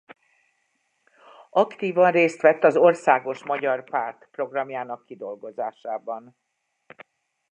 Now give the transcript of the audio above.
Aktívan részt vett az Országos Magyar Párt programjának kidolgozásában.